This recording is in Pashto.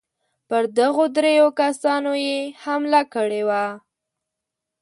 پر دغو درېو کسانو یې حمله کړې وه.